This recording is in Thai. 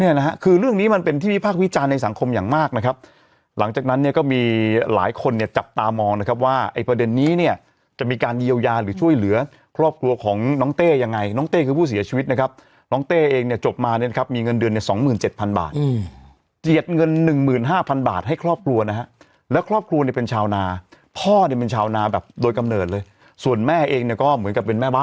เนี้ยนะฮะคือเรื่องนี้มันเป็นที่มีภาควิจารณ์ในสังคมอย่างมากนะครับหลังจากนั้นเนี้ยก็มีหลายคนเนี้ยจับตามองนะครับว่าไอ้ประเด็นนี้เนี้ยจะมีการเยียวยาหรือช่วยเหลือครอบครัวของน้องเต้ยังไงน้องเต้ยคือผู้เสียชีวิตนะครับน้องเต้เองเนี้ยจบมาเนี้ยครับมีเงินเดือนเนี้ยสองหมื่นเจ็ดพันบาทอืม